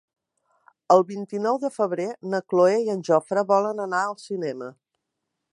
El vint-i-nou de febrer na Cloè i en Jofre volen anar al cinema.